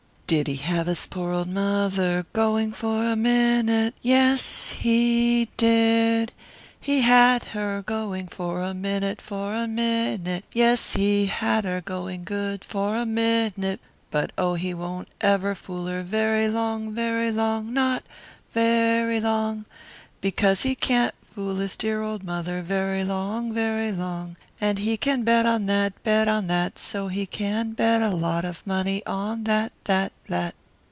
"Did he have his poor old mother going for a minute? Yes, he did. He had her going for a minute, for a minute. Yes, he had her going good for a minute. "But oh, he won't ever fool her very long, very long, not very long, because he can't fool his dear old mother very long, very long; and he can bet on that, bet on that, so he can, bet a lot of money on that, that, that!"